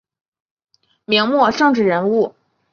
明末政治人物。